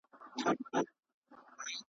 نه امید یې له قفسه د وتلو .